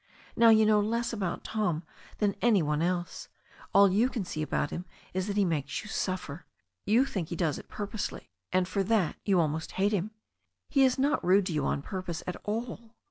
Now you know less about Tom than any one else. All you can see about him is that he makes you suffer. You think he does it pur posely, and for that you almost hate him. He is not rude to you on purpose at all.